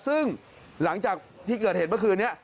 ซึ่งหลังจากที่เกิดเหตุเมื่อคืนนี้